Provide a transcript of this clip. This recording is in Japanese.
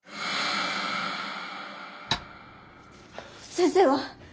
先生は？